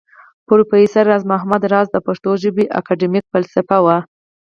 پروفېسر راز محمد راز د پښتو ژبى اکېډمک فلسفى و